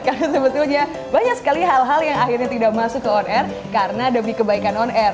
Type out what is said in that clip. karena sebetulnya banyak sekali hal hal yang akhirnya tidak masuk ke on air karena demi kebaikan on air